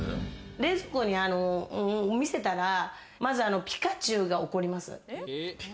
冷蔵庫見せたら、まずピカチュウが怒ります。